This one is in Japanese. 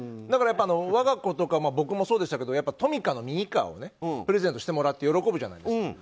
だからやっぱり我が子とか僕もそうでしたけどトミカのミニカーをプレゼントしてもらって喜ぶじゃないですか。